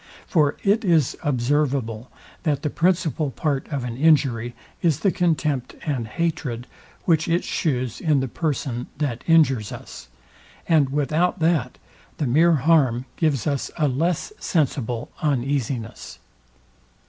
For it is observable, that the principal part of an injury is the contempt and hatred, which it shews in the person, that injures us; and without that, the mere harm gives us a less sensible uneasiness.